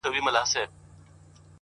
کلونه پس چي درته راغلمه؛ ته هغه وې خو؛؛